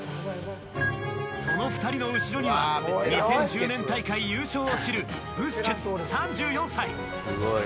その２人の後ろには２０１０年大会優勝を知るブスケツ、３４歳。